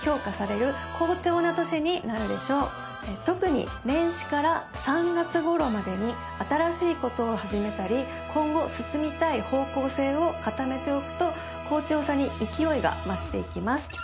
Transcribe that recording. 特に年始から３月頃までに新しいことを始めたり今後進みたい方向性を固めておくと好調さに勢いが増していきます